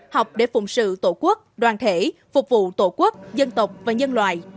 học để phụng sự tổ quốc đoàn thể phục vụ tổ quốc dân tộc và nhân loại